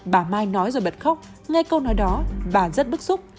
bà mai nói rồi bật khóc nghe câu nói đó bà rất bức xúc